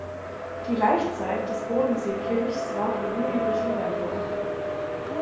Die Laichzeit des Bodensee-Kilchs war von Juli bis November.